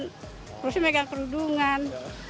terus ini megang kerundungan